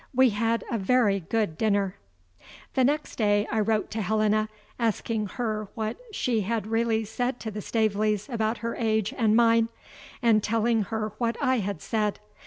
We had a very good dinner. ....... The next day I wrote to Helena, asking her what she had really said to the Staveleys about her age and mine, and telling her what I had said.